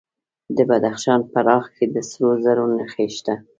د بدخشان په راغ کې د سرو زرو نښې شته.